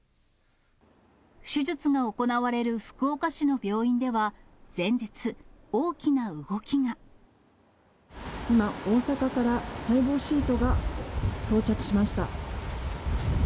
手術が行われる福岡市の病院では、今、大阪から細胞シートが到着しました。